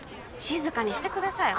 静かにしてください